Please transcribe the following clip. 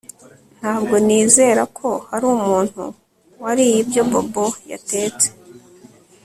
Ntabwo nizera ko hari umuntu wariye ibyo Bobo yatetse